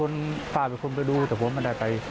สองสามีภรรยาคู่นี้มีอาชีพ